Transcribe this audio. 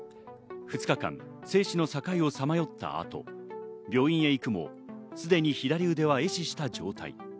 ２日間、生死の境をさまよったあと、病院行くもすでに左腕は壊死した状態。